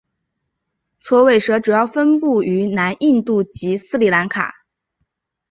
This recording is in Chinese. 锉尾蛇主要分布于南印度及斯里兰卡。